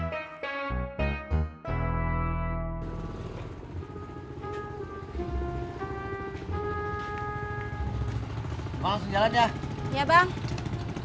neng ani gue masih balesn photo jadi tuh gak kirim gak pasti sampai nanya